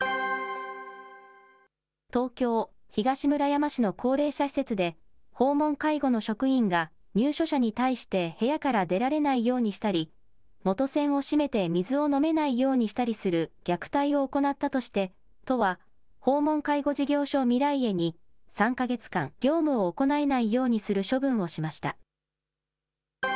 東京・東村山市の高齢者施設で、訪問介護の職員が入所者に対して部屋から出られないようにしたり、元栓を閉めて水を飲めないようにしたりする虐待を行ったとして、都は、訪問介護事業所ミライエに、３か月間業務を行えないようにする処分をしました。